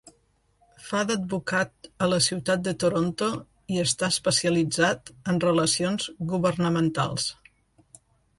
Fa d'advocat a la ciutat de Toronto i està especialitzat en relacions governamentals.